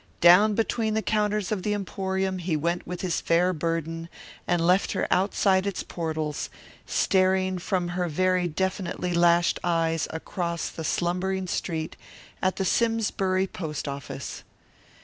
Down between the counters of the emporium he went with his fair burden and left her outside its portals, staring from her very definitely lashed eyes across the slumbering street at the Simsbury post office.